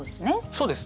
そうです。